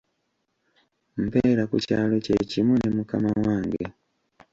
Mbeera ku kyalo kye kimu ne mukama wange.